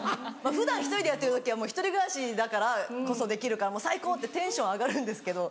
普段１人でやってる時は１人暮らしだからこそできるからもう最高！ってテンション上がるんですけど。